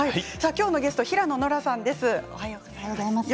今日のゲストは平野ノラさんです。